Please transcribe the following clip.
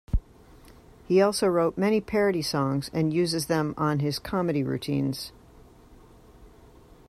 He also wrote many parody songs and uses them on his comedy routines.